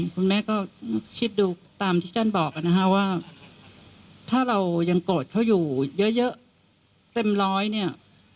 คุณแม่ก็คิดดูตามที่ท่านบอกนะฮะว่าถ้าเรายังโกรธเขาอยู่เยอะเต็มร้อยเนี่ย